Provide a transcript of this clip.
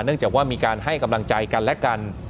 จากว่ามีการให้กำลังใจกันและกัน